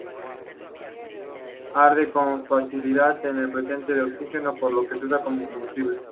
Arde con facilidad en presencia de oxígeno, por lo que se usa como combustible.